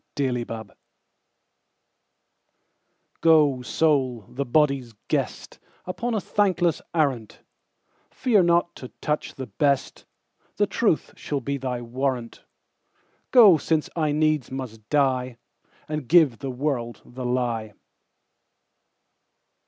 The Lie GO, Soul, the body's guest, Upon a thankless arrant:Fear not to touch the best; The truth shall be thy warrant:Go, since I needs must die, And give the world the lie.